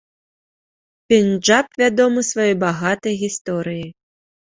Пенджаб вядомы сваёй багатай гісторыяй.